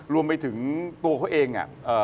รวมไปถึงตัวเขาเอง